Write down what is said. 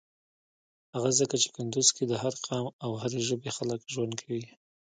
هغه ځکه چی کندوز کی د هر قام او هری ژبی خلک ژوند کویی.